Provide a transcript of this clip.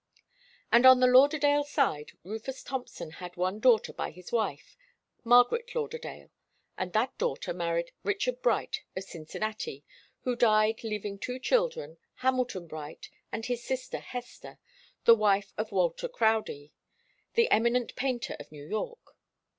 And on the Lauderdale side Rufus Thompson had one daughter by his wife, Margaret Lauderdale; and that daughter married Richard Bright of Cincinnati, who died, leaving two children, Hamilton Bright and his sister Hester, the wife of Walter Crowdie, the eminent painter of New York.